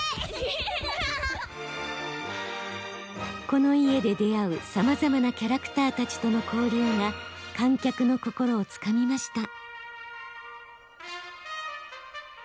この家で出会うさまざまなキャラクターたちとの交流が観客の心をつかみました。